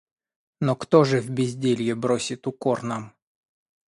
Но кто же в безделье бросит укор нам?